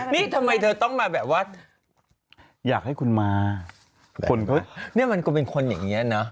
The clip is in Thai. นี่ทำไมเธอต้องมาแบบว่าอยากให้คุณมาคนก็เนี่ยมันก็เป็นคนอย่างเงี้นะ